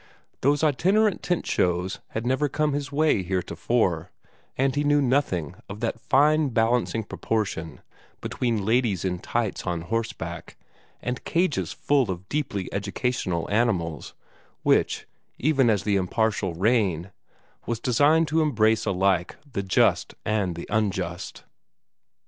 Those itinerant tent shows had never come his way heretofore, and he knew nothing of that fine balancing proportion between ladies in tights on horseback and cages full of deeply educational animals, which, even as the impartial rain, was designed to embrace alike the just and the unjust.